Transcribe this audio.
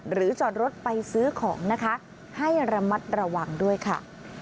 จอดรถไปซื้อของนะคะให้ระมัดระวังด้วยค่ะ